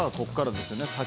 ここからですね